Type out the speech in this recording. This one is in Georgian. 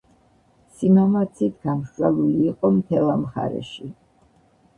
სიმამაცით გამსჭვალული იყო მთელ ამ მხარეში.